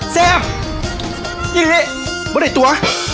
เสียบนี่นี่นี่บ้าได้ตัว